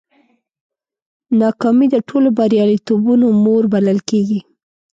ناکامي د ټولو بریالیتوبونو مور بلل کېږي.